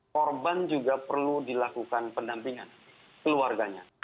korban juga perlu dilakukan pendampingan keluarganya